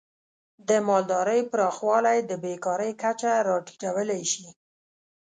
د مالدارۍ پراخوالی د بیکاری کچه راټیټولی شي.